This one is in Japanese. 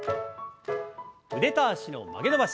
腕と脚の曲げ伸ばし。